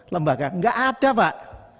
lembaga nggak ada pak